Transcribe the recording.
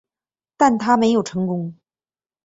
但它没有成功。